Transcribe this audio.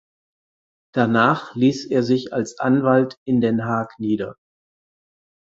Danach ließ er sich als Anwalt in Den Haag nieder.